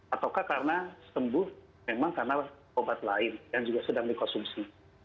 ataukah karena sembuh memang karena obat lain yang juga sedang dikonsumsi